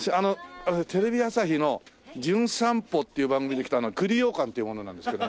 テレビ朝日の『じゅん散歩』という番組で来た栗ようかんという者なんですけど。